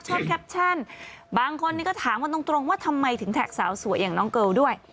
แคปชั่นบางคนนี้ก็ถามกันตรงว่าทำไมถึงแท็กสาวสวยอย่างน้องเกิลด้วย